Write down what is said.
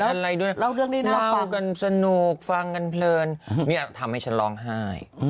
อะไรด้วยเล่ากันสนุกฟังกันเพลินนี่ทำให้ฉันร้องไห้